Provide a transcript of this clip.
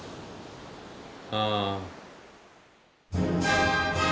ああ。